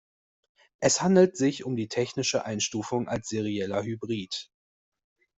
Es handelt sich um die technische Einstufung als serieller Hybrid.